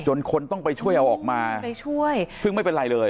คนต้องไปช่วยเอาออกมาไปช่วยซึ่งไม่เป็นไรเลย